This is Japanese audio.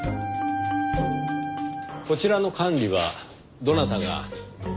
こちらの管理はどなたが？